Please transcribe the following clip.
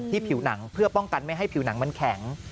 ผิวหนังเพื่อป้องกันไม่ให้ผิวหนังมันแข็ง